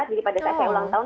pada saat saya ulang tahun